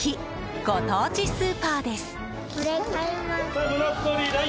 ご当地スーパーです。